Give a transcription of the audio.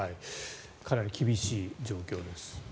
かなり厳しい状況です。